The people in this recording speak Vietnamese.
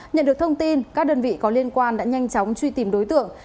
nhận được thông tin các đơn vị có liên quan đã nhanh chóng truy tìm đối tượng